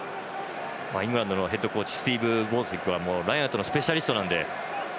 イングランドのヘッドコーチスティーブ・ボーズウィックはラインアウトのスペシャリストなので。